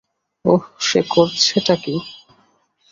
ওহ, সে করছে টা কি?